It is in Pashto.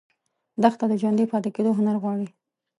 دښته د ژوندي پاتې کېدو هنر غواړي.